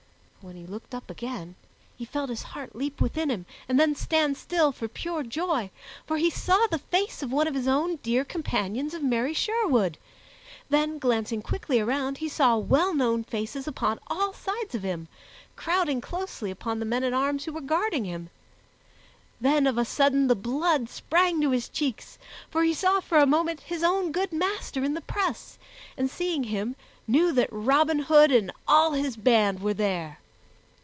But when he looked up again he felt his heart leap within him and then stand still for pure joy, for he saw the face of one of his own dear companions of merry Sherwood; then glancing quickly around he saw well known faces upon all sides of him, crowding closely upon the men at arms who were guarding him. Then of a sudden the blood sprang to his cheeks, for he saw for a moment his own good master in the press and, seeing him, knew that Robin Hood and all his band were there.